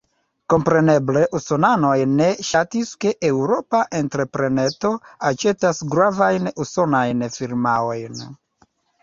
Kompreneble usonanoj ne ŝatis, ke eŭropa entrepreneto aĉetas gravajn usonajn firmaojn.